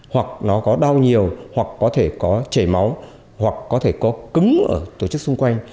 hoặc nó có đau nhiều hoặc có thể có chảy máu hoặc có thể có cứng ở tổ chức xung quanh